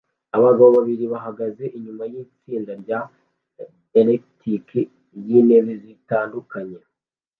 Abagabo babiri bahagaze inyuma yitsinda rya elektiki ryintebe zitandukanye